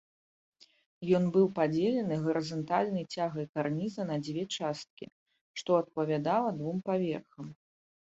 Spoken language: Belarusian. Ён быў падзелены гарызантальнай цягай карніза на дзве часткі, што адпавядала двум паверхам.